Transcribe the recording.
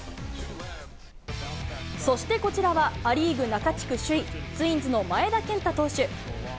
そしてこちらはア・リーグ中地区首位、ツインズの前田健太投手。